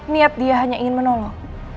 niat dia hanya ingin menolong